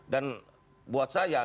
dan buat saya